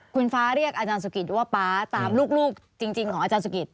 คุณฟ้าเรียกอาจารย์สุกิตว่าป๊าตามลูกจริงของอาจารย์สุกิต